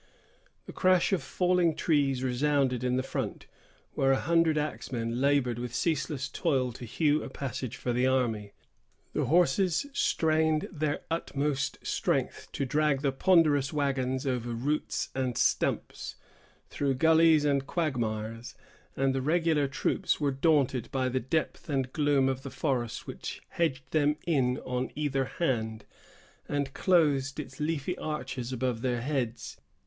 The crash of falling trees resounded in the front, where a hundred axemen labored with ceaseless toil to hew a passage for the army. The horses strained their utmost strength to drag the ponderous wagons over roots and stumps, through gullies and quagmires; and the regular troops were daunted by the depth and gloom of the forest which hedged them in on either hand, and closed its leafy arches above their heads.